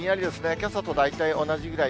けさと大体同じぐらい。